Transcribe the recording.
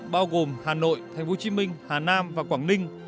bao gồm hà nội tp hcm hà nam và quảng ninh